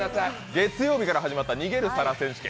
月曜日から始まった「逃げる皿選手権」